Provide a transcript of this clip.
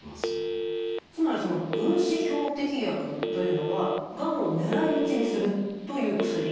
つまりその分子標的薬というのはがんを狙い撃ちにするという薬。